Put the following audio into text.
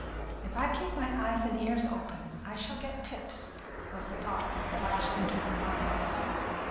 "If I keep my eyes and ears open, I shall get tips," was the thought that flashed into her mind.